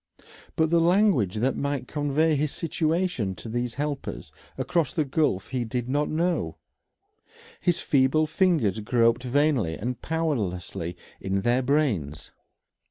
But the language that might convey his situation to these helpers across the gulf he did not know; his feeble fingers groped vainly and powerlessly in their brains.